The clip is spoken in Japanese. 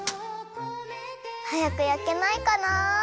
はやく焼けないかなあ。